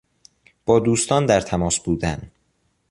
با دوستان در تماس بودن